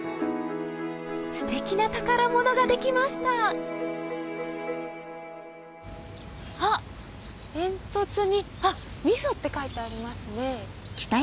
ステキな宝物ができましたあっ煙突に「みそ」って書いてありますね。